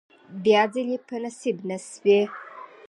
بیا ځلې په نصیب نشوې.